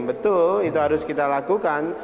betul itu harus kita lakukan